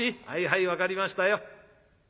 はいはい分かりましたよ。